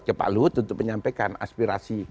ke pak luhut untuk menyampaikan aspirasi